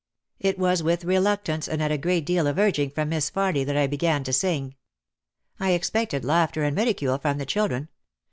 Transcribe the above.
It was with reluctance and at a great deal of urging from Miss Farly that I began to sing. I expected laughter and ridicule from the children.